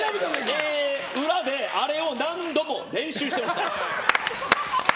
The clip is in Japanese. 裏であれを何度も練習してました。